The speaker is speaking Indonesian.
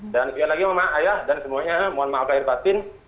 dan sekali lagi mak ayah dan semuanya mohon maafkan air batin